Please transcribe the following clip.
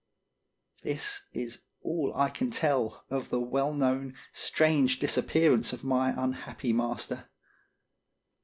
This is all I can tell of the well known strange disappearance of my unhappy master.